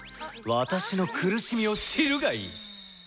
私の苦しみを知るがいい！